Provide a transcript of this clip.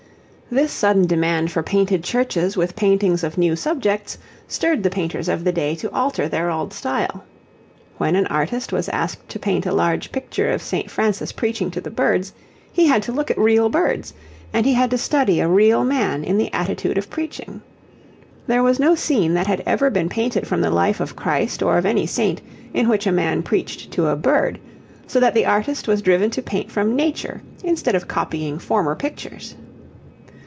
This sudden demand for painted churches with paintings of new subjects, stirred the painters of the day to alter their old style. When an artist was asked to paint a large picture of St. Francis preaching to the birds, he had to look at real birds and he had to study a real man in the attitude of preaching. There was no scene that had ever been painted from the life of Christ or of any saint in which a man preached to a bird, so that the artist was driven to paint from nature instead of copying former pictures.